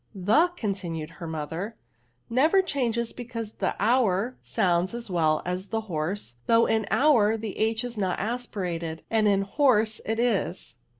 " The,^ continued her jobther, " never changes, because the hour sounds as well a» the horse^ though in hour the h is not as pirated, and in horse it is.'